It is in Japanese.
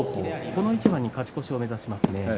この一番に勝ち越しを目指しますね。